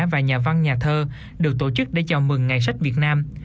văn nhà thơ được tổ chức để chào mừng ngày sách việt nam